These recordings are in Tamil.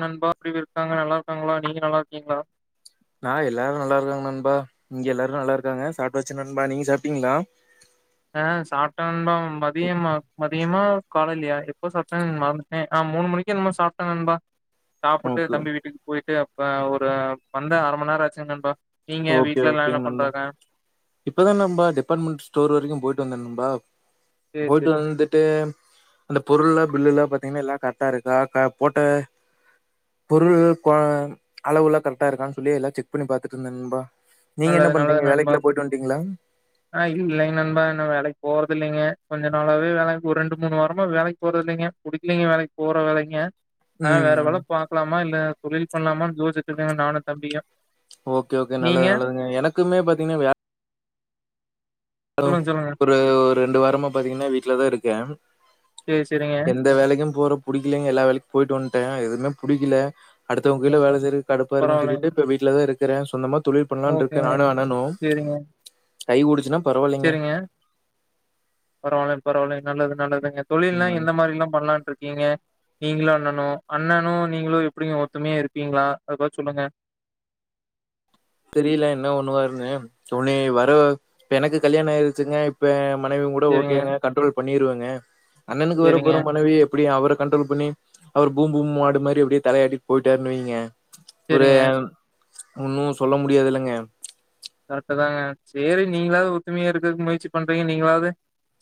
நண்பா எப்டி இருக்காங்க நல்லா இருக்காங்களா நீங்க நல்லா இரு நான் எல்லாரும் நல்லா இருக்காங்க நண்பா இங்க எல்லாரும் நல்லா இருக்காங்க சாப்டாச்சி நண்பா நீங்க சாப்ட்டீங்களா அஹ் சாப்ட்ட நண்பா மதியம்ம மதியமா காலேலையா எப்ப சாப்பிட்டாங்கனு மறந்துட்டனே ஆஹ் மூணு மணிக்கு என்னமோ சாப்ட்ட நண்பா சாப்புட்டு ஓகே தம்பி வீட்டுக்கு போயிட்டு அப் இப்ப ஒரு வந்து அற மணி நேரம் ஆச்சு நண்பா நீங்க ஓகே வீட்ல எல்லா என்ன ஓகேங்க நண்பா பண்றாங்க இப்பதான் நண்பா டிபார்ட்மெண்ட் ஸ்டோர் வரைக்கும் போயி டு வந்தோம் நண்பா சேரி போயிட்டு சேரி வந்துட்டு அந்த பொருள்லாம் பில்லு எல்லாம் பாத் எல்லாம் கரெக்டா இருக்கா போட்ட பொருள் க்வா அளவுலாம் கரெக்டா இருக்கான்னு சொல்லி எல்லா செக் பண்ணி பாத்துட்டு இருந்தேன் நண் பா நல்லது நல்லது நண்பா ஆஹ் இல்லைங்க நண்பா என்ன வேலைக்கு போறது இல்லைங்க கொஞ்ச நாளாவே வேலைக்கு ஒரு ரெண்டு மூணு வாரமா வேலைக்கு போறத இல்லைங்க புடிக்கலலைங்க வேலைக்கு போற வேலைங்க ஆஹ் வேற ம் வேல பாக்கலாமா இல்ல தொழில் பண்லாமானு யோசிச்சிட்ருக்கங்க நானும் தம்பியும் ஓகே ஓகே நல்லது நல்லதுங்க எனக்கு க்குமே பாத்திங்ன வேல சொல்லுங்க சொல்லுங்க ஒரு ரெண்டு வாரமா பாத்தீங்கன்னா வீட்டுல தான் இருக்கேன் சேரி சேரிங்க எந்த வேலைக்கும் போற புடிக்கலங்க எல்லா வேலைக்குக்கும் போயிட்டு வந்ட்டேன் எதுவுமே புடிக்கல அடுத்தவங்க கைல வேலை செய்றதுக்கு கடுப்பா இருக்குன் பரவாயில்லைங்க. சொல்லிட்டு இப்ப வீட்டுல தான் இருக் இருக்கற சொந்தமா ஒரு தொழில் பண்ணலானுருக்க ஓகேங்க. நானு அண்ணனு கை ஒடிச்சினம் செரிங்க பரவாயிலிங் பரவாயிலிங்க நல்லது நல்லது ங்க தொழில்லா ம். எந்த மாரி லா பண்லாம்ட்டு இருக்கீங்க நீங்களு அண்ணனு அண்ணனு நீங்களு எப்டிங்க ஒத்துமையா இருப்பீங்களா அத பாத்து சொல்லுங்க தெரியல என்ன பண்ணுவாருன்னு உனே வர எனக்கு கல்யாண ஆயிருச்சுங்க இப்ப மனைவியு கூட சரிங்க, ஓகேங்க கண்ரோல் பண்ணிருவங் ஹ அண்ணனுக்கு சரிங்க, வரப்போற மனவிய எப்டி அவர கண்ட்ரோல் பண்ணி ச்சு அவர் பூம் பூம் மாடு மாறி அப்டியே தலையாட்டிட்டு போயிட்டாருனு வைய்ங்க சரிங்க. ஒரேய ஒன்னோஸ் சொல்ல முடியாது இல்லங்க கரெக்ட் தாங்க செரி நீங்களாவது ஒத்துமையா இருக்கதுக்கு முயற்சி பண்றீங்க நீங்களாவது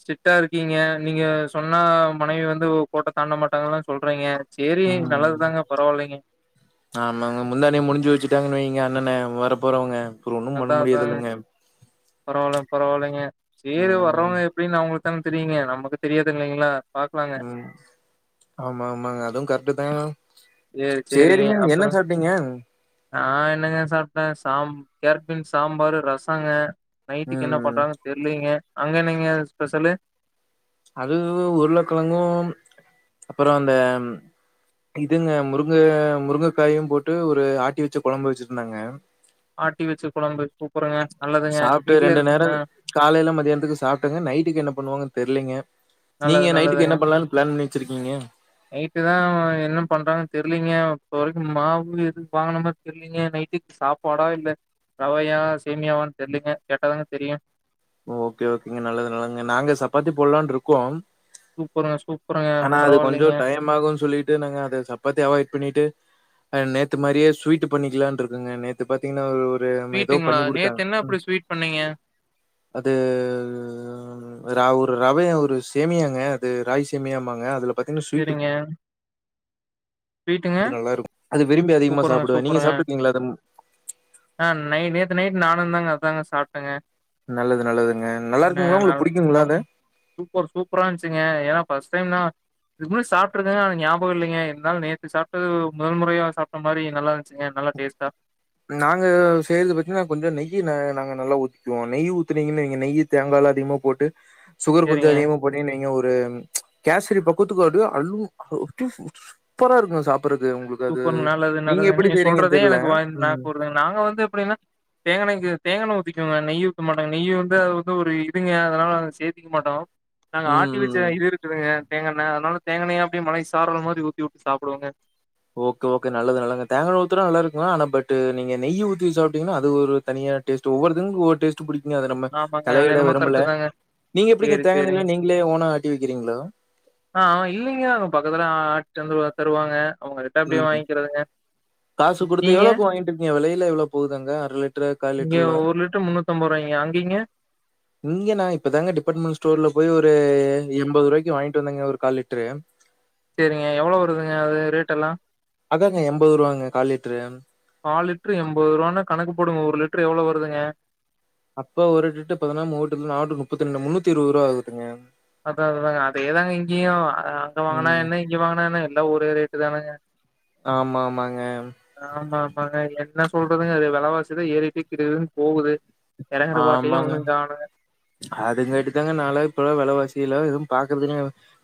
ஸ்ட்ரிக்டா இருக்கீங்க நீங்க சொன்னா மனைவி வந்து கோட்ட தாண்ட மாட்டாங்கல்லா சொல்றைங்க உம் ஆமாங்க முந்தானே முடிஞ்சு வச்சுட்டாங்கன்னு வைங்க என்னென்ன வர போறவங்க அதா அதா பரவாயில்ல பரவாயில்லைங்க செரி ம். வரோங்க எப்டின்னு அவங்களுக்கு தான் தெரியுங்க நமக்கு தெரியாது இல்லைங்களா பாக்கலாங்க. உம் ஆமா ஆமாங்க அதுவு கரெக்ட் தாங்க சேரி செரிங்க என்ன சாப்பிட்டீங்க ஆஹ் என்னங்க சாப்ட்ட சாம் கேரட் பீன்ஸ் சாம்பாரு ரசங்க நைட்க்கு என்ன ம் பண்றாங்க தெர்லேங்க அங்க என்னெங்க ஸ்பெஷலலு அது உருளக்கலங்கோ அப்புரோ அந்த இதுங்க முருங்க முருங்கக்காயு போட்டு ஒரு ஆட்டி, வச்ச கொழம்பு வச்சிருந்தாங்க ஆட்டி வச்ச கொழம்பு சூப்பருங்க நல்லதுங்க சாப்பிட்டு வீட்ல ரெண்டு இருக்கு ஆ நேரல் காலயில மதியானத்துக்கு சாப்டுங்க நைட்டுக்கு என்ன பண்ணுவாங்க தெர்லிங்க நல்லது நல்லதுங்க வச்சிருக்கீங்க நைட்டு தா என்ன பண்றாங்கு தெர்லீங்க இப்ப வரைக்கும் மாவு எது வாங்கின மாரி தெர்லீங்க நைட்டுக்கு சாப்பாடா இல்ல ரவையா சேமியாவான்னு தெர்லீங்க கேட்டாதாங்க தெரியு ஓகே ஓகேங்க நல்லது நல்லங்க நாங்க சப்பாத்தி போடலாம்னு இருக்கோம் சூப்பரா சூ ஆனா அது கொஞ்சோ டைம் ஆகுன் சொல்லிட்டு நாங்க அத சப்பாத்தி அவாய்ட் பண்ணிட்டு அ நேத்து மாரியே ஸ்வீட்டு பண்ணிக்கலா இருக்குங்க நேத்து பாத்திங்னா ஒரு வே ம ஏதோ ஸ்வீட்டுங்களா பண்ணி குடுத்தாங்க நேத்து என்ன ம் அப்டி ஸ்வீட் பண்ணீங்க அது ராகு ரவை ஒரு சேமியாங்க அது ராய் சேமியாம்பாங்க அதுல பாத்திங்னா ஸ்வீட்டு சேரிங்க ஸ்வீட்டுங்க அது நல்லாருக்கு அது விரும்பி அதிகமா சூப்பருங்க சாப்டுவே. நீங்க சூப்பருங்க சாப்ட்ருக்கிங்ளா அத னுந்தாங்க அதாங்க சாப்ட்டங்க நல்லதுங்க நல்லா இருக்குங்களா என் உங்களுக்கு நல் புடிக்குங்களா அது சூப்பர் சூப்பரா இருந்ச்சுங்க ஏனா ஃபஸ் டைம் நா இதுக்கு முன்ன சாப்ட்ருந்தனா எனக்கு ஞாபக இல்லைங்க இருந்தாலு நேத்து சாப்ட்டது முதல் முறையா சாப்ட்ட மாரி நல்லா இருந்ச்சுங்க நல்லா டேஸ்ட்டா நாங்க செய்றது பாத்தின்னா கொஞ்சம் நெய் நா-நாங்க நல்லா ஊத்துவோம். நெய் ஊத்துனீங்கனு வைங்க, நெய் தேங்கா எல்லா அதிகமா போட்டு சுகர் கொஞ்சொ சேரிங்க அதிகமா போட்டீங்க நெய்ய ஊத் கேசரி பக்குவத்துக்கு அப்டியே அல்லும். அப்டியே சூப்பரா இருக்குங்க சாப்ட எப்டிருக் உங்களுக்கு அது? சூப்பர் நல்லது நீங்க நல்லது எப்டி செய்றீங்கனு சொல்றதே தெரில. எனக்கு வாய் நாக்கு ஊறுதுங்க. நாங்க வந்து எப்டின்னா தேங்கா எண்ணெயும் சேத்து தேங்கா எண்ணெய் ஊத்திக்கோங்க. நெய் ஊத்த மாட்டாங்க. நெய் வந்து அது வந்து ஒரு இதுங்க. அதனால அத சேத்திக்க மாட்டோம் நாங்க ஆட்டி ம் வச்ச ம் இது இருக்குதுங்க. தேங்கா எண்ணெ. அதனால தேங்கெண்ணெய அப்டியே மலை சாரல் மாரி ஊத்தி விட்டு சாப்டுவோங்க. ஓகே ஓகே நல்லது நல்லதுங்க. தேங்கா எண்ணெய் நல்லா இருக்கு ஆனா பட் நீங்க நெய் ஊத்தி சாப்ட்டீங்ன்னா அது ஒரு தனியா டேஸ்ட். ஒவ்வொருத்தங்ளுக்கு ஒவ்வொரு டேஸ்ட் பிடிக்குங்க அத நம்ம ஆமாங்க அது தலையிட என்னமோ விரும்பல. கரெக்ட்டு தாங்க நீங்க எப்டிங்க சேரி சேரிங்க தேங்கெண்ணெய் எல்லா நீங்களே ஓன்னா ஆட்டி விக்கிறீங்களா? ஆ ஆ இல்லைங்க. அங்க பக்கத்துல [unintelligible] தருவாங்க அவங்ககிட்ட அப்டியே ம் வாங்கிக்கிறதுங்க. காசு குடுத்து நீங்க? எவ்ளோக்கு வாங்கிட்டு இருக்கீங்க? வெலை எல்லா எவ்ளோ போகுது அங்க அரை லிட்டரு கால் இங்க லிட்டருலா லிட்டர் ரூ. அங்கீங்க? இங்க நா இப்பதாங்க டிபார்ட்மெண்ட் ஸ்டோர்ல போய் ஒரு எம்பது ரூவாக்கி வாங்கிட்டு வந்தெங்க ஒரு கால் லிட்டரு செரிங்க எவ்வளவு வருதுங்க அது ரேட் எல்லா? அதாங்க எம்பது ரூவாங்க காலிட்டரு காலிட்டரு எம்பது ரூவான்னா கணக்கு போடுங்க ஒரு லிட்டரு எவ்ளோ வருதுங்க? அப்ப ஒரு லிட்டர் பதினாம் மூவெட்டா நாவெட்டு முப்பத்தி ரெண்டு முன்னூத்தி இருவது ரூவா ஆகுதுங்க. அதா அததாங்க அதேதாங்க இங்கெயு அங்க வாங்கனா ம் என்ன? இங்கெ வாங்கனா என்ன? எல்லா ஒரே ரேட்டுதானங்க. ஆமா ஆமாங்க ஆமா, ஆமாங்க. என்ன சொல்றதுங்க? அது வெலவாசிதா ஏறிட்டு கிடுகிடுன்னு போகுது. எறங்கற பாட்டயே ஒண்ணு காணுங்க அதுங்காட்டிதாங்க நா எல்லா இப்பல்லா வெலவாசில்லா எதும் பாக்கறதுங்க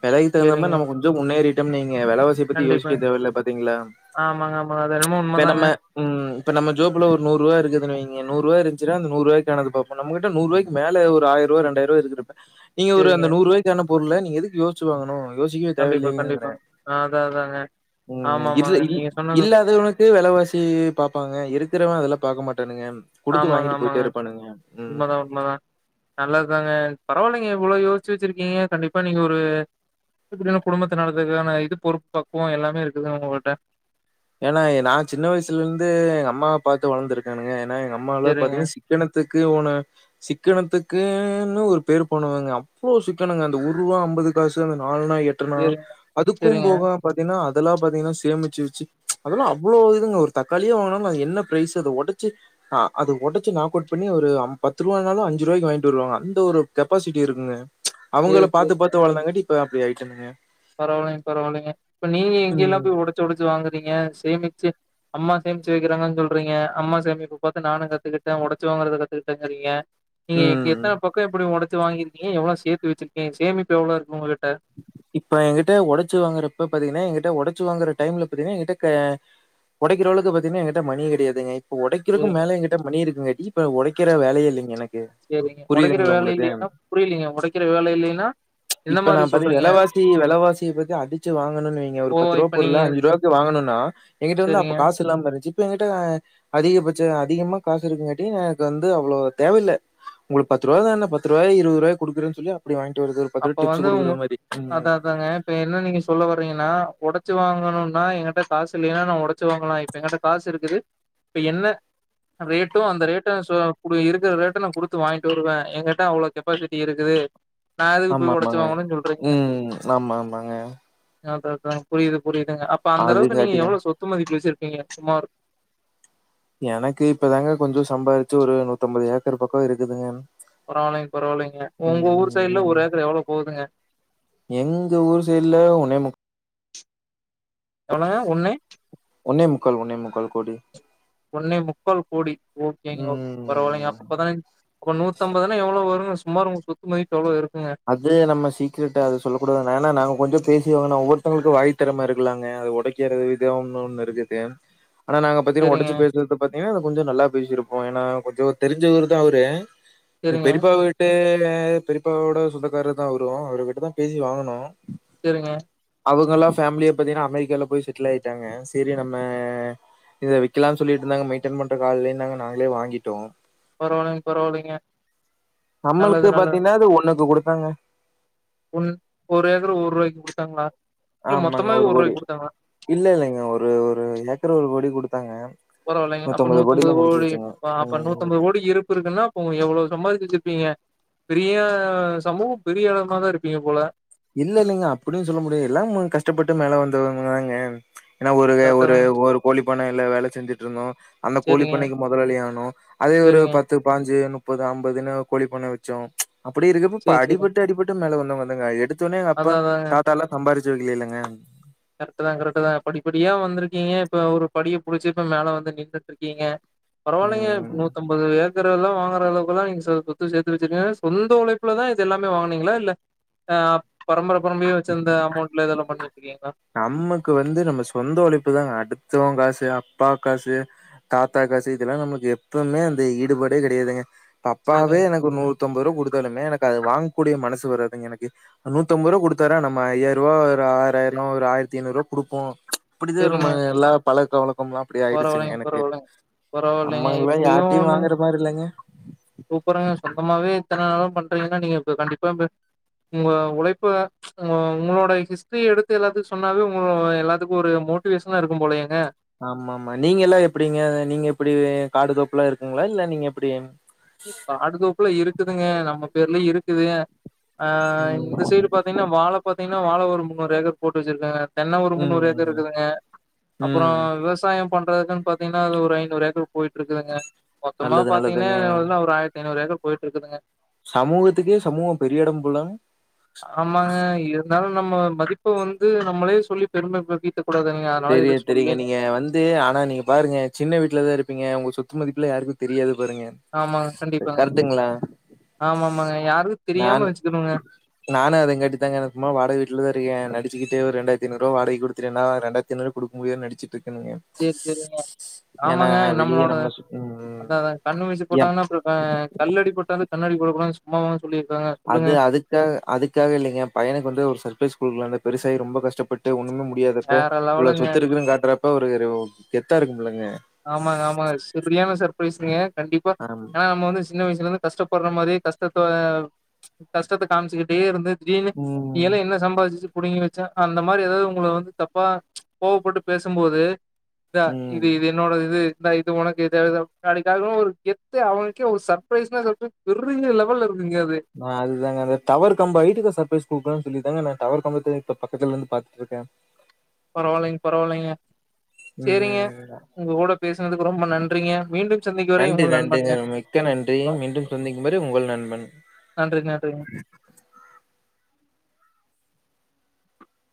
வெலைக்கி தகுந்த மாரி சரிங்க. நம்ம கொஞ்சொ முன்னேறிட் டும் நீ க வெலவாசி பத்தி யோசிக்க கண்டிப்பாங்க. தேவ இல்ல பாத்தீங்களா. ஆமாங்க, ஆமாங்க. அது என்னமோ இப்ப உண்மதாங்க. நம்ம உம் இப்ப நம்ம ஜோப்ல ஒரு நூறு ரூவா இருக்குதுனு வைங்க நூற் ரூவா இருந்ச்சுன்னா அந்த நூறு ரூவாய்க்கானது பாப்போ நம்மகிட்ட நூறு ரூவாய்க்கு மேல ஒரு ஆயிர் ரூவா ரெண்டாயிர் ரூவா இருக்குது நீங்க ஒரு அந்த சரிங்க. நூற் ரூவாய்க்கு அனுப் பொருள நீங்க எதுக்கு யோசுச்சு வாங்கணு யோசிக்கவே கண்டிப்பா, தேவையில்லயேங்கிறே கண்டிப்பாங்க. அதான் அதாங்க. உம் இதுல ஆமாமாங்க. இல் நீங்க சொன்னது இல்லாதவனுக்கு வெலவாசி பாப்பாங்க இருக்கிறவ அதெல்லா பாக்க மாட் ப்பனுங்க குடுத்து ஆமாங்க வாங்கிட்டு போயிட்டே ஆமாங்க. இருப்பானுங்க உம் நல்லது தாங்க பரவாயில்லைங்க இவ்ளோ யோச்சு வச்சிருக்கீங்க கண்டிப்பா நீங்க ஒரு [unintelligible] குடும்பத்த நடத்துறதுக்கான இது பொறுப் பக்குவ எல்லாமே இருக்குதுங்க உங்கள்ட்ட ஏன்னா ஏ நா சின்ன வயசுல இருந்து எங்க அம்மாவப் பாத்து வளர்ந்திருக்கேனுங்க எனா எங்க அம்மாவல்லா சரிங்க, பாத்தீங்கன்னா சிக்கனத்துக்கு ஓன சிக்கனத்துக் க்குன்னு ஒரு பேரு போனவங்க அப்ளோ ஒரு சிக்கனொங்க அந்த ஒரு ரூவா அம்பது காசு அந்த நாலனா எட்டனா சரிங்க, அதுக்கும் சரிங்க. போக பாத்தீங்ன்னா இதெல்லா பாத்தீங்கன்னா சேமிச்சு வெச்சு அதெல்லா அவ்ளோ இதுங்க ஒரு தக்காளியே வாங்கினாலு அது என்ன ப்ரைஸு அத ஒடச்சு அஹ் அத ஒடச்சு நாக் அவுட் பண்ணி ஒரு அம் பத்து ரூவாயிருந்தாலு அஞ்சு ரூவாய்க்கு வாங்கிட்டு வருவாங்க அந்த ஒரு கெப்பாசிட்டி இருக்குங்க சரி, அவங்களப் பாத்துப் பாத்து வளந்தாங்காட்டி இப்ப அப்டி ஆயிட்டனுங்க பரவாயில்லங்க பரவாயில்லங்க இப்ப நீங்க எங்க எல்லா ம். போய் ஒடச்சு ஒடச்சு வாங்கு ப்பீங்க சேமிச்சு அம்மா சேமிச்சு வெக்கிறாங்கன்னு சொல்றீங்க அம்மா சேமிப்பு பாத்து நானு கத்துக்கிட்டே ஒடச்சு வாங்குறது கத்துக்கிட்டேங்கிறீங்க நீங்க எ ம். எத்தன பக்கொ இப்பிடி ஒடச் ச்சு வாங்கியிருக்கீங்க எவ்ளோ சேத்து வச்சிருக்கே சேமிப்பு எவ்ளோ இருக்கு உங்க கிட் ட ப்போ எகிட்ட ஒடச்சு வாங்குறப்ப பாத்தீங்கன்னா எகிட்ட ஒடச்சு வாங்குற டைமில பாத்தீங்கன்னா எகிட்ட க ஒடைக்கிறளவுக்கு பாத்தீங்கன்னா எங்கிட்ட மணி கெடையாதுங்க இப்போ ஒடைக்கிறக்கும் சரிங்க, மேல எங்கிட்ட மணி இருக்குங்காட்டி ப்ப ஒடைக்கிற வேலயே இல்லைங்க எனக் சேரிங்க ஒடக்கிற வேல இல்லைன்னா புரியலீங்க ஒடக்குற வேல இல்லைன்னா என்ன ம் இப்ப நா பதி வெலவாசி வெலவாசிய பத்தி அடிச்சு வாங்கணு வைங்க ஒரு ஓ பத்து ரூவா இப்ப பொருள நீங்க அஞ்சு ரூவாக்கு வாங்கணுன்னா எங்கிட்ட வந்து அப்ப சரிங்க காசுல்லாம இருந்ச்சு எங்கிட்ட அதிகபட்ச அதிகமா காசு இருக்குங்காட்டி எனக்கு வந்து அவ்ளோ தேவயில்ல உங்களுக்கு பத்து ரூவா தான பத்து ரூவாய்க்கு இருவது ரூவாய குடுக்குறேன்னு சொல்லி அப்டி வாங்கி இவருக்கு ஒரு பத்துரு இதாவுங்க அதா அதாங்க இப்ப என்ன நீங்க சொல்ல வர்றீங்கன்னா ஒடச்சு வாங்கணுன்னா எங்கிட்ட காசு இல்லைன்னா நா ஒடச்சு வாங்கலா இப்ப எங்கிட்ட காசு இருக்குது இப்ப என்ன ரேட்டு அந்த ரேட்ட சொல்ல குடிய இருக்கிற ரேட்ட நா குடுத்து வாங்கிட்டு வருவே என்கிட்ட அவ்ளோ கெப்பாசிட்டி இருக்குது நான் எதுக்கு ஆமா போய் உடைச்சு ஆமாங்க வாங்கணும்னு சொல்றீங்க உம் ஆமா ஆமாங்க அதா தா எனக் புரிது புரிது ங்க அப்ப அந்தளவுக்கு நீங்க அதுங்காட்டி எவ்ளோ சொத்து மதிப்பு வச்சிர் நீங்க சுமார் எனக்கு இப்பதாங்க கொஞ்ச சம்பாரிச்சு ஒரு நூத்தம்பது ஏக்கர் பக்க இருக்குதுங்க பரவாலைங் பரவாலைங்க உங்க ஊர் சைடுல ம். ஒரு ஏக்கர் எவ்ளோ போகுதுங்க எங்க ஊர் சைடுல ஒன்னே முக் எவ்ளங்க ஒண்ணே ஒண்ணே முக்கால் ஒண்ணே முக்கால் கோடி ஒண்ணே முக்கால் கோடி ஓகேங்க ஓ பரவாலைங்க ம். அப்ப பதினஞ் அப்ப நூத்தம்பதுனா எவ்வளோ வருங்க சுமார் உங்க சொத்து மதிப்பு எவ்ளோ இருக் அது நம்ம சீக்ரெட் அது சொல்ல கூடாது ஏன்னா நாங்க கொஞ்ச பேசிவாங்கன ஒவ்வொருத்தங்களுக்கு வாய் திறம இருக்குல்லங்க அது ஒடைக்கிற விதம்னு ஒன்னு இருக்குது ஆனா நாங்க பாத்திங்னா சரிங்க ஒடச்சு பேசறத பாத் திங்னா கொஞ்ச நல்லா பேசிருப்போ ஏன்னா கொஞ்ச தெரிஞ்சவர்தா அவரு எங் சரிங்க பெரிப்பா வீட்டு ங்க பெரிப்பாவோட சொந்தக்காரர்தா அவரு அவர் கிட்டதா பேசி வாங்குனோ செரிங்க அவங்களா ஃபேமிலிய பாத்தீங்கன்னா அமெரிக்காவுல போய் செட்டில் ஆயிட்டாங்க சேரி நம்ம இத வைக்கலானு சொல்லிட்டுந்தாங்க மெயின்டைன் பண்ற ஆன் இல்லைன்னாங்க நாங்களே வாங்கிட்டோ பரவால்லைங் பரவால்லைங்க நம்மளுக்கு பாத்தீங்கனா அது ஒண்ணுக்கு குடு த்தாங்க ஒன் ஒரு ஏக்கர் ஒரு ரூவாய்க்கு குடுத்தாங்ளா ஆமாங்க ஒரு கோடி, இல்ல இல்லைங்க ஒரு ஒரு ஏக்கர் ஒரு கோடி குடுத் தாங்க பரவாயில்லைங்க அப்ப நூத்தம்பது கோடி ப அப்ப ம். நூத்தம்பது கோடி இருப்பு இருக்குன்னா அப்போ உங்களுக்கு எவ்வளோ சம்பாதிச் சிட்டுருப்பீங்க பெரிய சமூகம் பெரிய எடமாதா இருப்பீங்க போல இல்ல இல்லைங்க அப்டின்னு சொல்ல முடியாது எல்லா கஷ்டப்பட்டு மேல வந்தவங்கதாங்க ஏன்னா ஒரு கரெக்ட் ஒரு தாங்க ஒரு கோழி பண்ணைல வேல செஞ்சுட்டு இருந்தோ அந்த கோழி சரிங்க பண்ணைக்கு மெதலாளியா ஆனோ அதே ஒரு சரிங்க பத்து பதினஞ்சு முப்பது அம்பதுன்னு கோழி பண்ணை வச்சோ அப்படி இருக்கப்ப இப்ப சரி சரிங்க அடிபட்டு அடிபட்டு மேல வந் தவங்கதாங்க எடு த்தோனே எங்க அப்பா அதான் அதாங்க தாத்தா எல்லா சம்பாரிச் தெரியலியேல்லங்க கரெக்ட் தா கரெக்ட தா படிப்படியா வந்திருக்கீங்க இப்ப ஒரு படிய புடிச்சு இப்ப மேல வந்து நின்றுட்ருக்கீங்க பரவால்ய்ங்க ம் நூத்தம்பது ஏக் இருக்கலா வாங்கற அளவுகெல்லா நீங்க சொத்து சேத்து வச்சி சொந்த உழைப்புல தா இது எல்லாமே வாங்கனீங்களா இல்ல ஆஹ் பரம்பரப் அப்பறமே வச்சிருந்த அமொண்ட்ல இதல்லா பண்ணு தெரியாதா நமக்கு வந்து நம்ம சொந்த உழைப்புதா அடுத்தவ காசு அப்பா காசு தாத்தா காசு இதெல்லா நம்மளுக்கு எப்பவுமே அந்த ஈடுபாடே கெடையாதுங்க அப்பாவே சேரிங்க எனக்கு நூத்தம்பது ரூவா குடுத்தாலுமே எனக்கு அது வாங் கூடிய மனசு வருது எனக்கு நூத்தம்பது ரூபா கொடுத்தார நம்ம ஐயாயிர ரூவா ஆறாயி ஒரு ஆயிரத்தி ஐநூறு ரூவா குடுப்போ இப்படிதா நம்ம எல்லா பல கவல பரவாயில்லைங் பரவாயில்லைங்க பரவாயில்லைங் நம்மல்லா எப்படியு யார்ட்டயு ஒன்னு வாங்குற மாரி இல்லங்க. சூப்பருங்க சொந்தமாவே எத்தனனாலு பண்றீங்கன்னா நீங்க இப்ப கண்டிப்பா உங்க உழைப்ப ஆஹ் உங்களோட ஹிஸ்டரி எடுத்து எல்லாத்துக்கு சொன்னாவே உங்க எல்லாத்துக்கு ஒரு மோட்டிவேஷனா இருக்கு போலயேங்க ஆமா ஆமா நீங்க எல்லா எப்படிங்க நீங்க எப்படி காடு தோப்புல்லா இருக்குங்களா இல்ல நீங்க எப்படி காடு தோப்புல இருக்குதுங்க நம்ம பேர்லயு இருக்குது ஆ ம். இந்த சைடு பாத்தீங்கன்னா வாழ பாத்தீங்கன்னா வாழ ஒரு முன்னூறு ஏக்கர் போட்டு வச்சிருக்கே தென்ன ஒரு முன்னூறு ஏக்கர் ம். இருக்குதுங்க அப்பற ம். விவசாயம் பண்றதுன்னு பாத்தீன்னா அது ஒரு ஐநூறு ஏக்கரு போயிட்ருக்குதுங்க மொத்தமா நல்லது பாத்தீங்கன்னா நல்லதுங்க. ஆயிரத்தி ஐநூறு ஏக்கர் போயிட்ருக்குதுங்க சமூகத்துக்கே சமூக பெரிய எடம் போல ஆமாங்க இருந்தாலும் நம்ம மதிப்ப வந்து நம்மளே சொல்லி பெருமை படுத்திட்டு தெரிய தெரியங்க நீங்க வந்து ஆனா நீங்க பாருங்க சின்ன வீட்டுலதா இருப் பிங்க உங்க சொத்து மதிப்புல யாருக்கு தெரியாது பாங்க ஆமாங்க கண்டிப்பாங்க. கரட்டுங்களா ஆமாமாங்க. யாருக்கும் நான் தெரியாம வச்சுக்கணுங்க. நானு அத காட்டி தாங்க்கு சும்மா வாடக வீட்டுல தா இருக்கே நடிச்சுக்கிட்டே ரெண்டாயிர த்தின்னுரூவா வாடகை கொடுத்துட்டனா ரெண்டாத் ஐனு குடுக்க முடுயாம நடுச்சுட்டு செரி செரிங்க ஆமாங்க வெளிய நம்மளோட நம்ம சு- ம் அதா அதா கண்ணு வீசி எப் போட்டாங்கன்னா அப்பற ஆஹ் கல்லடி பட்டால கண்ணடி ப [unintelligible] சும்மாவா அது அதுக்காக அதுக்காக இல்லைங்க பையனுக்கு வந்து ஒரு சர்ப்ரைஸ் குடுக்கலாண்டு பெருசாயி ரொம்ப கஷ் பட்டு ஒண்ணுமே முடியாதப்ப வேற இவ்ள லெவலுங்க. சொத்து இருக்குதுன்னு காட்டுறப்ப ஒருரு கெத்தா இருக்கு ஆமாங்க ஆமாங்க செரியான சர்ப்ரைஸ்ங்க கண்டிப்பா ஆம் ஏனா நம்ம வந்து சின்ன வயசுல இருந்து கஷ்டபடுற சொன்னா மாரி கஷ்டத்த கஷ்டத்த காமிச்சுக்கிட்டே இருந்து நீயெல்லா ம் நீங்கெல்லா என்ன சம்பாதிச்சு புடிங்கி வெச்சா அந்த மாரி ஏதாவது உங்கள வந்து தப்பா கோவப்பட்டு பேசும்போது அத இது ம் இது இது இந்தா இது உனக்கு இது [unintelligible] அவ்ங்களுக்கே ஒரு சர்ப்ரைஸ்னு சொல்ட்டு பெரிய லெவல் இருக் நா அதுதாங்க அந்த டவர் கம்ப ஹைட்டுக்கு சப்ரைஸ் குடுக்குலானு சொல்லி ஏங்க நா டவர் கம்பதுல இப்ப பக்கத்துலருந்து பாத்துட்டுருக்கே பரவால்லைங்க பரவால்லைங்க சேரிங்க ம் உங்க கூட பேசுனதுக்கு ரொம்ப நன்றிங்க மீண்டும் சந்திக்கு வரை நன்றி உங்கள் நன்றிங்க நண்பண்ங்க மிக்க நன்றி ரொம் மீண்டும் சந்திக்கும் வரை உங்கள் நண்பன். நன்றி நன்றிங்க